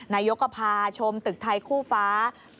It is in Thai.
นายกมอบถุงผ้าชมตึกไทยคู่ฟ้า